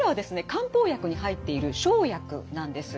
漢方薬に入っている生薬なんです。